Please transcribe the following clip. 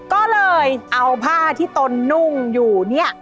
ก็เลยเอาผ้าที่ตนนุ่งอยู่เนี่ย